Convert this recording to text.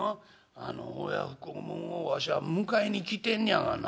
あの親不孝もんをわしは迎えに来てんねやがな」。